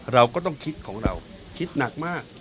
เราก็ต้องคิดของเราคิดหนักมาก